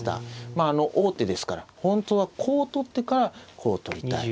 まあ王手ですから本当はこう取ってからこう取りたい。